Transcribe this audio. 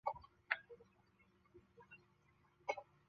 霍亨波尔丁格是德国巴伐利亚州的一个市镇。